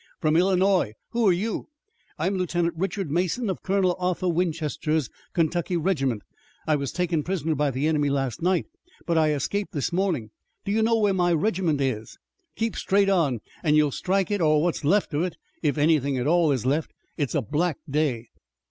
"From Illinois. Who are you?" "I'm Lieutenant Richard Mason of Colonel Arthur Winchester's Kentucky regiment. I was taken prisoner by the enemy last night, but I escaped this morning. Do you know where my regiment is?" "Keep straight on, and you'll strike it or what's left of it, if anything at all is left. It's a black day."